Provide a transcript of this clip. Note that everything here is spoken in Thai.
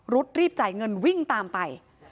รีบจ่ายเงินวิ่งตามไป